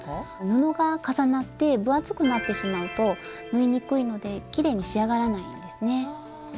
布が重なって分厚くなってしまうと縫いにくいのできれいに仕上がらないんですね。